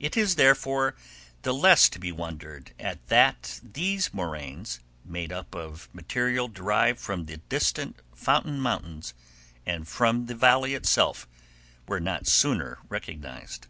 It is, therefore, the less to be wondered at that these moraines, made up of material derived from the distant fountain mountains, and from the Valley itself, were not sooner recognized.